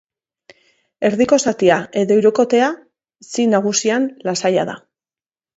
Erdiko zatia edo hirukotea, si nagusian, lasaia da.